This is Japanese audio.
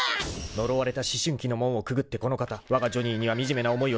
［呪われた思春期の門をくぐってこの方わがジョニーには惨めな思いを強いてきた］